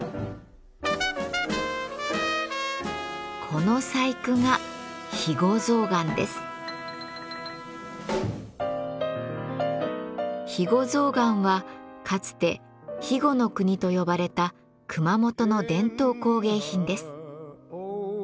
この細工が肥後象がんはかつて肥後の国と呼ばれた熊本の伝統工芸品です。